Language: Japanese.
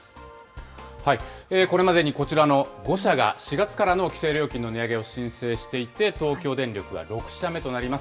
これまでにこちらの５社が４月からの規制料金の値上げを申請していて、東京電力は６社目となります。